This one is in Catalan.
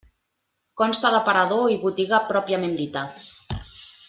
Consta d'aparador i botiga pròpiament dita.